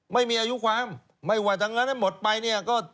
ไม่มีอายุความไม่ไหวทั้งเงินให้หมดไป